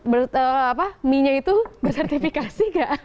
prabu mie nya itu bersertifikasi nggak